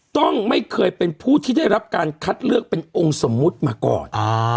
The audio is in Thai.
ต้องไม่เคยเป็นผู้ที่ได้รับการคัดเลือกเป็นองค์สมมุติมาก่อน